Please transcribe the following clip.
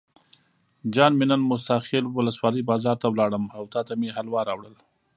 جان مې نن موسی خیل ولسوالۍ بازار ته لاړم او تاته مې حلوا راوړل.